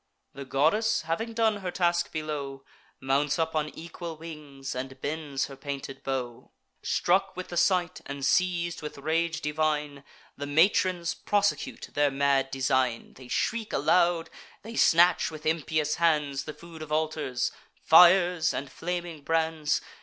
The goddess, having done her task below, Mounts up on equal wings, and bends her painted bow. Struck with the sight, and seiz'd with rage divine, The matrons prosecute their mad design: They shriek aloud; they snatch, with impious hands, The food of altars; fires and flaming brands.